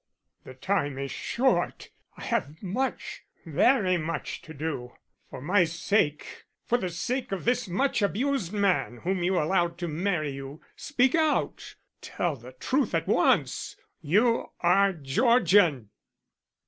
"The time is short; I have much, very much to do. For my sake, for the sake of this much abused man, whom you allowed to marry you, speak out, tell the truth at once. You are Georgian."